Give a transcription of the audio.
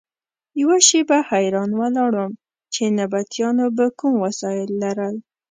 یوه شېبه حیران ولاړ وم چې نبطیانو به کوم وسایل لرل.